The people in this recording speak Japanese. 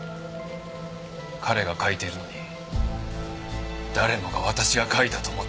彼が書いているのに誰もが私が書いたと思っている。